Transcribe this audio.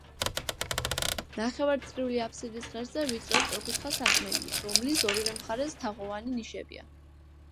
ნახევარწრიული აფსიდის ღერძზე ვიწრო სწორკუთხა სარკმელია, რომლის ორივე მხარეს თაღოვანი ნიშებია.